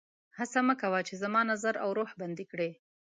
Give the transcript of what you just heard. هڅه مه کوه چې زما نظر او روح بندي کړي